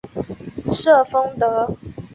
瑟丰德。